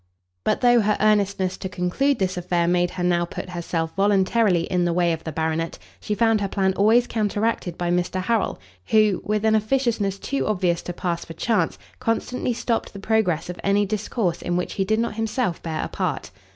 But though her earnestness to conclude this affair made her now put herself voluntarily in the way of the baronet, she found her plan always counteracted by Mr. Harrel, who, with an officiousness too obvious to pass for chance, constantly stopt the progress of any discourse in which he did not himself bear a part.